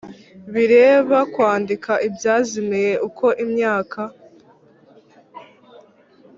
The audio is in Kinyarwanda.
Bireba kwandika ibyazimiye uko imyaka